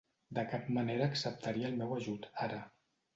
De cap manera acceptaria el meu ajut, ara.